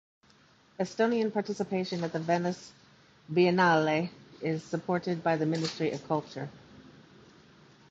Estonian participation at the Venice Biennale is supported by the Ministry of Culture.